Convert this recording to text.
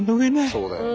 そうだよね。